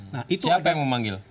siapa yang mau memanggil